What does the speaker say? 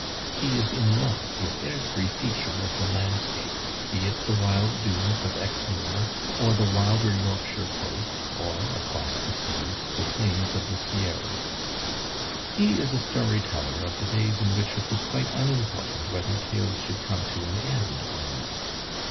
He is in love with every feature of the landscape, be it the wild doons of Exmoor or the wilder Yorkshire coast, or, across the seas, the plains of the Sierras. He is a story teller of the days in which it was quite unimportant whether tales should come to an end or not.